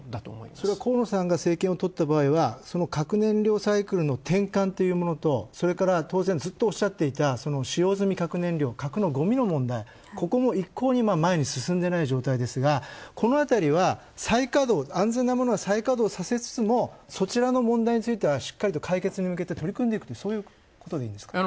それは河野さんが政権を取った場合は核燃料サイクルの転換というものとそれから当然、ずっとおっしゃっていた使用済み核燃料、核のごみの問題、ここも一向に前に進んでない状態ですがこの辺りは、再稼働、安全なものは再稼働させつつもそちらの問題については、しっかりと解決に向けて取り組んでいくとそういうことでいいですか？